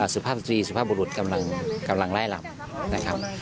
สุภาพสตรีสุภาพบุรุษกำลังไล่ลำนะครับ